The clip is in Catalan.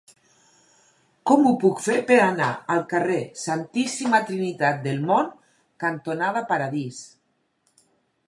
Com ho puc fer per anar al carrer Santíssima Trinitat del Mont cantonada Paradís?